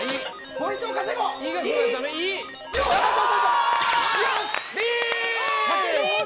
ポイントを稼ごう！